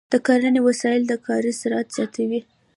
د کرنې وسایل د کاري سرعت زیاتوي.